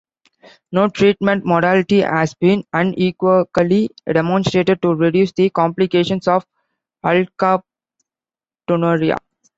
No treatment modality has been unequivocally demonstrated to reduce the complications of alkaptonuria.